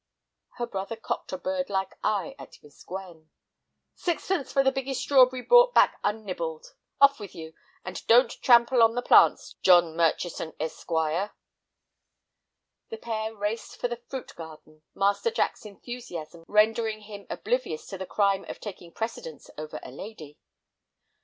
Her brother cocked a birdlike eye at Miss Gwen. "Sixpence for the biggest strawberry brought back unnibbled. Off with you. And don't trample on the plants, John Murchison, Esq." The pair raced for the fruit garden, Master Jack's enthusiasm rendering him oblivious to the crime of taking precedence of a lady.